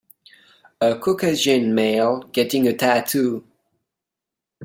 a Caucasian male getting a tattoo.